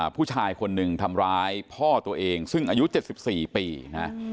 ผู้ชายคนหนึ่งทำร้ายพ่อตัวเองซึ่งอายุ๗๔ปีนะ